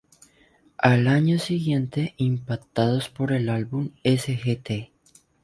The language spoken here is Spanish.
Al año siguiente, impactados por el álbum "Sgt.